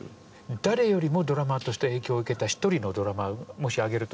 誰よりもドラマーとして影響を受けた１人のドラマーもし挙げるとしたら？